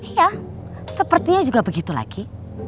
ya sepertinya juga begitu lagi